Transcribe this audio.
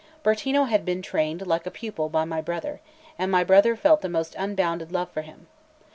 Bertino had been trained like a pupil by my brother; and my brother felt the most unbounded love for him.